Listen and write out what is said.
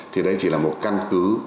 thì đấy chỉ là một căn cứ